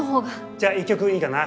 じゃ一曲いいかな？